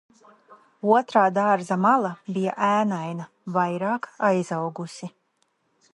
Otrā dārza mala bija ēnaina, vairāk aizaugusi.